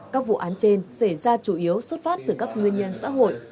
các vụ án trên xảy ra chủ yếu xuất phát từ các nguyên nhân xã hội